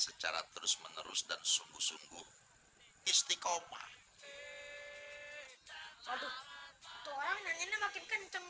secara terus menerus dan sungguh sungguh istiqomah aduh orangnya ini makin kentang